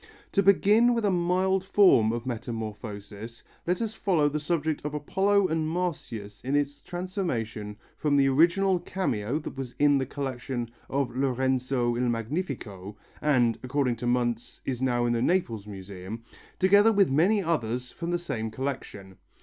To begin with a mild form of metamorphosis, let us follow the subject of Apollo and Marsyas in its transformation from the original cameo that was in the collection of Lorenzo il Magnifico and, according to Muntz, is now in the Naples Museum, together with many others from the same collection.